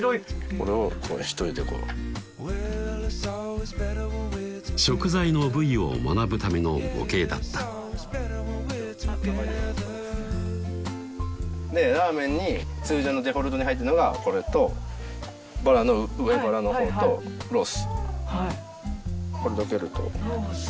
これを１人でこう食材の部位を学ぶための模型だったでラーメンに通常のデフォルトに入ってるのがこれとバラの上バラのほうとロースこれどけるとロース